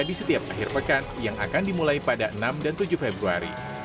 di setiap akhir pekan yang akan dimulai pada enam dan tujuh februari